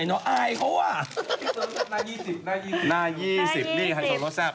น่า๒๐นี่ไทโซเลาสร้ำ